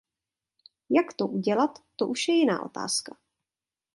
Jak to udělat, to už je jiná otázka.